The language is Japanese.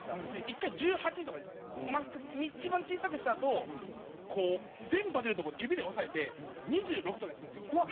１回１８とかマックス一番小さくしたあとこう電波出るとこを指で押さえて２６とかにするんですよ。